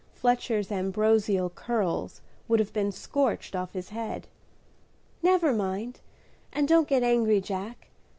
Fletcher's ambrosial curls would have been scorched off his head. "Never mind, and don't get angry, Jack.